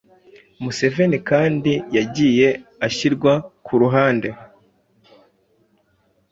Museveni kandi yagiye ashyirwa ku ruhande